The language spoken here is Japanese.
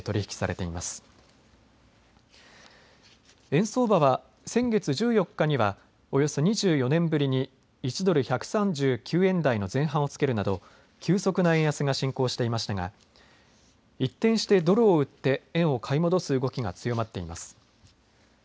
円相場は先月１４日にはおよそ２４年ぶりに１ドル１３９円台の前半をつけるなど急速な円安が進行していましたが一転してドルを売って円を買い戻す動きが強まっています。